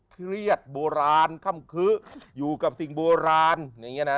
เครียดโบราณค่ำคื้ออยู่กับสิ่งโบราณอย่างนี้นะ